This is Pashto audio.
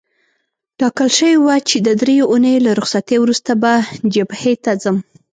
ټاکل شوې وه چې د دریو اونیو له رخصتۍ وروسته به جبهې ته ځم.